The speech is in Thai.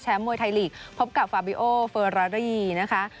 แชมป์มวยไทยลีกส์พบกับฟาบิโอเฟอร์รารี่นะครับ